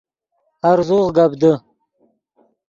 ہرزوغ گپ دے